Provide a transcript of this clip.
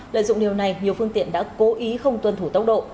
lợi dụng điều này nhiều phương tiện đã cố ý không tuân thủ tốc độ